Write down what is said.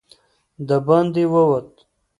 د باندې ووت.